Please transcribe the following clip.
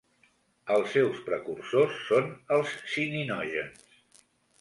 Els seus precursors són els cininògens.